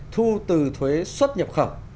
thu từ thuế xuất nhập khẩu